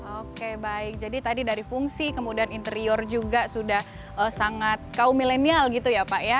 oke baik jadi tadi dari fungsi kemudian interior juga sudah sangat kaum milenial gitu ya pak ya